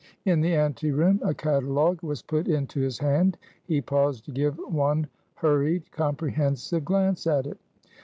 In the anteroom, a catalogue was put into his hand. He paused to give one hurried, comprehensive glance at it.